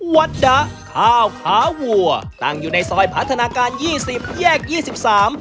วัดดะข้าวขาวัวตั้งอยู่ในซอยพัฒนาการยี่สิบแยกยี่สิบสาม